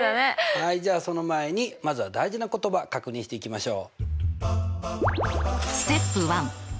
はいじゃあその前にまずは大事な言葉確認していきましょう。